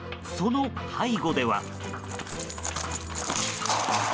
その背後では。